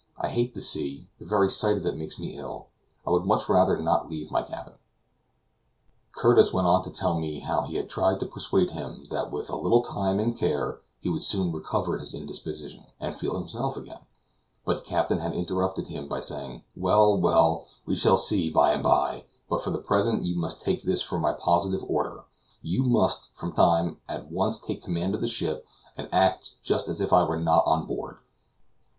I hate the sea, the very sight of it makes me ill, I would much rather not leave my cabin." Curtis went on to tell me how he had tried to persuade him that with a little time and care he would soon recover his indisposition, and feel himself again; but the captain had interrupted him by saying: "Well, well; we shall see by and by; but for the present you must take this for my positive order; you must, from this time, at once take the command of the ship, and act just as if I were not on board.